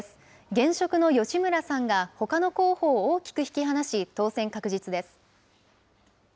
現職の吉村さんが、ほかの候補を大きく引き離し、当選確実です。